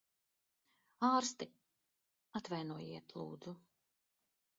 Ārsti! Atvainojiet, lūdzu.